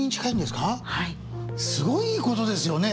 すごいいいことですよね